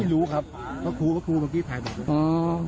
ไม่รู้ครับพระครูพระครูเมื่อกี้ถ่ายไป